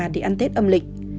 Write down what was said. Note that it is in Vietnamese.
để ăn tết âm lịch